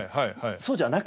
そうじゃなくて。